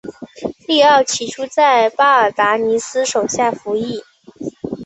利奥起初在巴尔达尼斯手下服役。